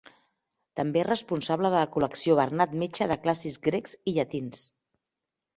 També és responsable de la Col·lecció Bernat Metge de clàssics grecs i llatins.